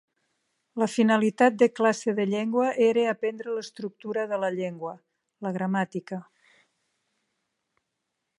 La finalitat de classe de llengua era aprendre l'estructura de la llengua: la gramàtica.